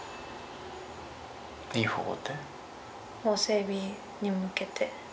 法整備に向けて。